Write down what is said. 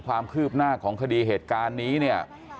ความคืบหน้าของคดีเหตุการณ์นี้เนี่ย